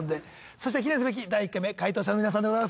そして記念すべき第１回目回答者の皆さんでございます。